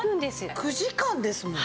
９時間ですもん。